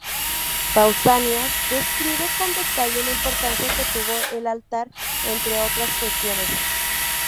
Pausanias describe con detalle la importancia que tuvo el altar, entre otras cuestiones.